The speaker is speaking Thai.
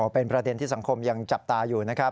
เป็นประเด็นที่สังคมยังจับตาอยู่นะครับ